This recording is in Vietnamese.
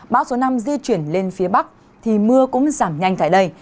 bão số năm di chuyển lên phía bắc thì mưa cũng giảm nhanh tại đây